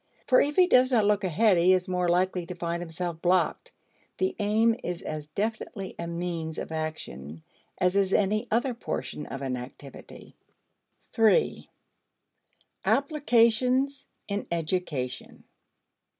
For if he does not look ahead, he is more likely to find himself blocked. The aim is as definitely a means of action as is any other portion of an activity. 3. Applications in Education.